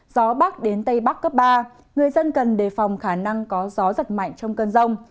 gió bắc đến tây bắc cấp ba người dân cần đề phòng khả năng có gió giật mạnh trong cơn rông